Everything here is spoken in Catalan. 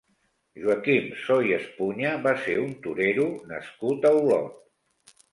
Joaquim Soy Espuña va ser un torero nascut a Olot.